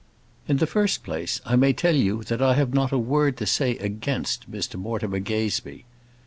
In the first place, I may tell you, that I have not a word to say against Mr Mortimer Gazebee.